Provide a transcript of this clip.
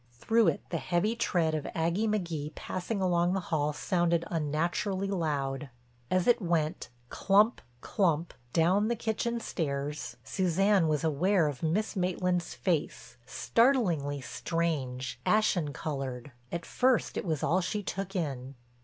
Through it the heavy tread of Aggie McGee passing along the hall sounded unnaturally loud. As it went clump, clump, down the kitchen stairs Suzanne was aware of Miss Maitland's face, startlingly strange, ashen colored. At first it was all she took in.